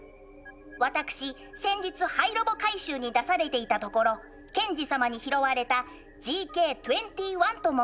私先日廃ロボ回収に出されていたところケンジ様に拾われたＧＫ２１と申します。